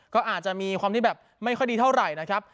ก็อาจจะมีความที่แบบไม่ค่อยดีเท่าไหร่นะครับ